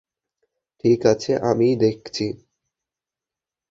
ঠিক আছে, আমিই দেখছি।